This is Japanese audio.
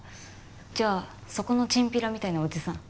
じゃあそこのチンピラみたいなおじさん。